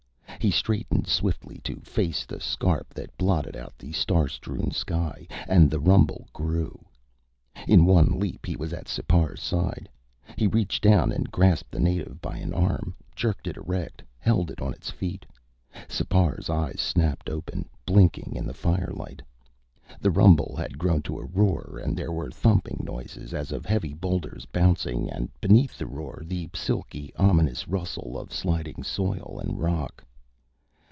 He straightened swiftly to face the scarp that blotted out the star strewn sky and the rumble grew! In one leap, he was at Sipar's side. He reached down and grasped the native by an arm, jerked it erect, held it on its feet. Sipar's eyes snapped open, blinking in the firelight. The rumble had grown to a roar and there were thumping noises, as of heavy boulders bouncing, and beneath the roar the silky, ominous rustle of sliding soil and rock.